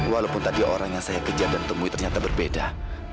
walaupun tadi orang yang saya kejar dan temui ternyata berbeda